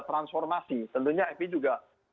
transformasi tentunya fpi juga